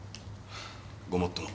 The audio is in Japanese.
ごもっとも。